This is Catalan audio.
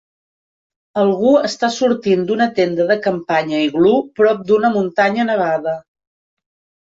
Algú està sortint d'una tenda de campanya iglú prop d'una muntanya nevada.